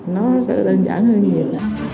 nó sẽ đơn giản hơn nhiều